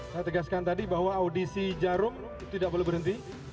saya tegaskan tadi bahwa audisi jarum tidak boleh berhenti